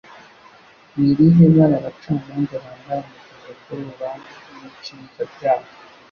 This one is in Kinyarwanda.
Ni irihe bara abacamanza bambara mugihe bakora urubanza rwinshinjabyaha?